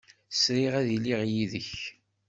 Sriɣ ad iliɣ yid-k.